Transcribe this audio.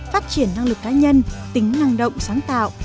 phát triển năng lực cá nhân tính năng động sáng tạo